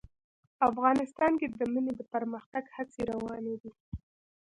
افغانستان کې د منی د پرمختګ هڅې روانې دي.